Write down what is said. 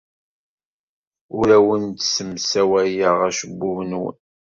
Ur awen-ssemsawayeɣ acebbub-nwen.